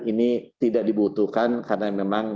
ini tidak dibutuhkan karena memang